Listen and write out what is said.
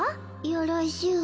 よろしゅう